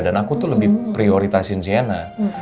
dan aku tuh lebih prioritasin sienna